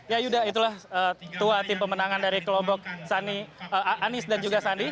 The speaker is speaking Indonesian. ya yuda itulah tua tim pemenangan dari kelompok anies dan juga sandi